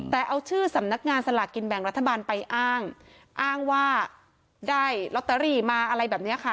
แต่เอาชื่อสำนักงานสลากกินแบ่งรัฐบาลไปอ้างอ้างว่าได้ลอตเตอรี่มาอะไรแบบนี้ค่ะ